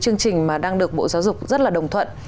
chương trình mà đang được bộ giáo dục rất là đồng thuận